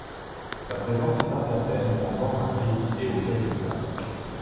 Sa présence est incertaine en Centrafrique et au Cabinda.